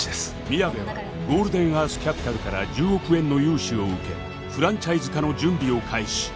みやべはゴールデンアースキャピタルから１０億円の融資を受けフランチャイズ化の準備を開始